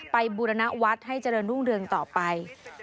ไปบุรณาวัดให้เจริญรุ่งเรืองต่อไป